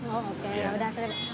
oh oke yaudah